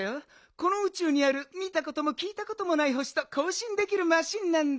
このうちゅうにある見たこともきいたこともない星とこうしんできるマシンなんだ。